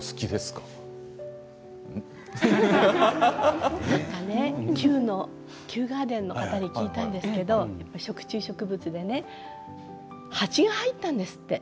笑い声何かキューガーデンの方に聞いたんですけど食虫植物で蜂が入ったんですって。